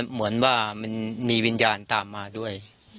เหมือนว่ามันมีวิญญาณตามมาด้วย